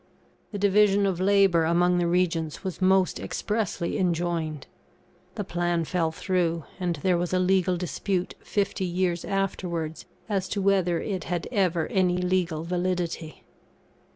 The division of labour among the Regents was most expressly enjoined. The plan fell through; and there was a legal dispute fifty years afterwards as to whether it had ever any legal validity.